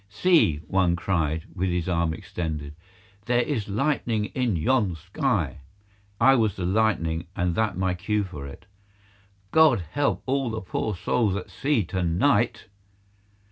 "See," one cried with his arm extended, "there is lightning in yon sky." (I was the lightning and that my cue for it): "God help all the poor souls at sea to night!"